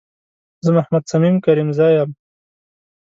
زه محمد صميم کريمزی یم